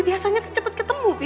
biasanya cepet ketemu pi